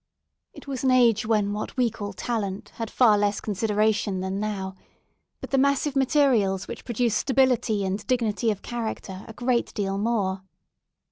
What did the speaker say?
It was an age when what we call talent had far less consideration than now, but the massive materials which produce stability and dignity of character a great deal more.